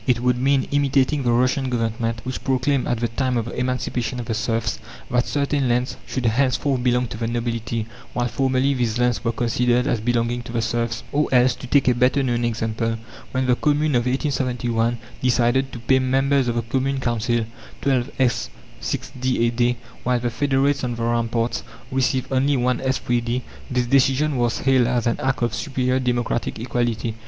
It would mean imitating the Russian Government, which proclaimed, at the time of the emancipation of the serfs, that certain lands should henceforth belong to the nobility, while formerly these lands were considered as belonging to the serfs. Or else, to take a better known example, when the Commune of 1871 decided to pay members of the Commune Council 12s. 6d. a day, while the Federates on the ramparts received only 1s. 3d., this decision was hailed as an act of superior democratic equality.